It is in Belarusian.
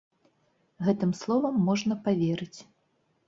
Гэтым словам можна паверыць.